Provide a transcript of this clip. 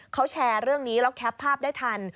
เขาแชร์เรื่องนี้แล้วแคปภาพได้ทัน